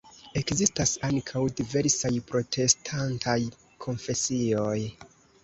Ekzistas ankaŭ diversaj protestantaj konfesioj.